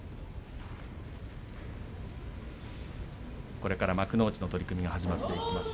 これから幕内の取組が始まっていきます。